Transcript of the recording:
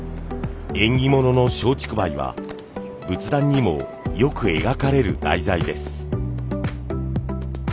縁起物の松竹梅は仏壇にもよく描かれる題材です。